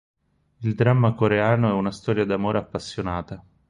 Il drama coreano è una storia d'amore appassionata.